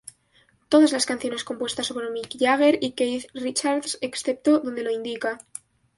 Todas las canciones compuestas por Mick Jagger y Keith Richards excepto donde lo indica